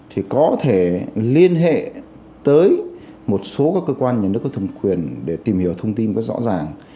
thì có thể liên hệ tới một số các cơ quan nhà nước có thẩm quyền để tìm hiểu thông tin có rõ ràng